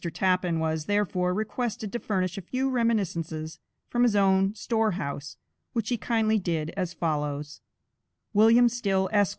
Tappan was, therefore, requested to furnish a few reminiscences from his own store house, which he kindly did as follows: WILLIAM STILL, ESQ.